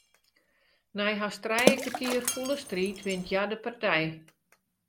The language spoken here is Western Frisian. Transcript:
Nei hast trije kertier fûle striid wint hja de partij.